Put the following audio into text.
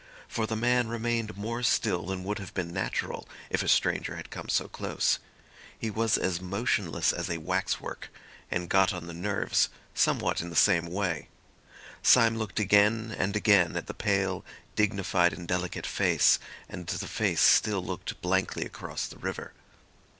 For the man remained more still than would have been natural if a stranger had come so close. He was as motionless as a wax work, and got on the nerves somewhat in the same way. Syme looked again and again at the pale, dignified and delicate face, and the face still looked blankly across the river.